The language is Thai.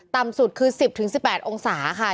ต่ำสุดคือ๑๐๑๘องศาค่ะ